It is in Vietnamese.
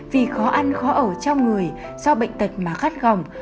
vì khó ăn khó ở trong người do bệnh tật mà gắt gỏng